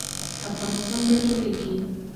افغانستان به جوړیږي